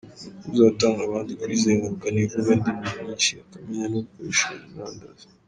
Uzatanga abandi kuyizenguruka ni uvuga indimi nyinshi, akamenya no gukoresha iyo murandasi.